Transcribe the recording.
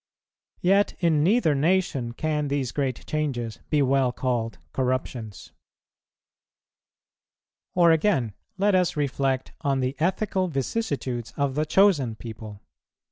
Yet, in neither nation, can these great changes be well called corruptions. Or again, let us reflect on the ethical vicissitudes of the chosen people.